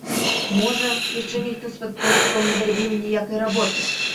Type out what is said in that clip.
Можа, яшчэ ніхто з падпольшчыкаў не зрабіў ніякай работы.